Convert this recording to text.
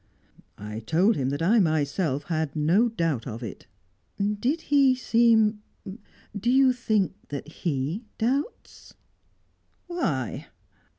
"I told him that I myself had no doubt of it." "Did he seem do you think that he doubts?" "Why?"